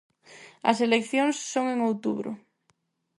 As eleccións son en outubro.